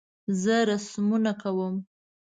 زه رسمونه کوم